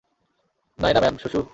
Naina madam, সুসু!